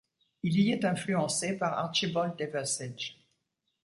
Il y est influencé par Archibald Liversidge.